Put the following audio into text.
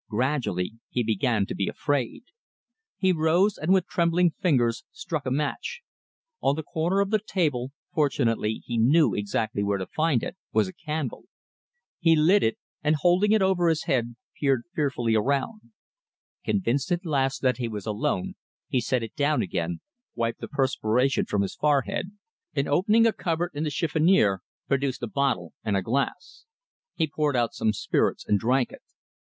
Gradually he began to be afraid. He rose, and with trembling fingers struck a match. On the corner of the table fortunately he knew exactly where to find it was a candle. He lit it, and holding it over his head, peered fearfully around. Convinced at last that he was alone, he set it down again, wiped the perspiration from his forehead, and opening a cupboard in the chiffonnier, produced a bottle and a glass. He poured out some spirits and drank it.